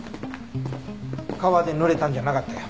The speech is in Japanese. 川でぬれたんじゃなかったよ。